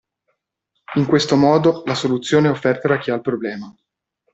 In questo modo la soluzione è offerta da chi ha il problema.